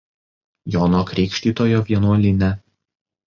Jono Krikštytojo vienuolyne.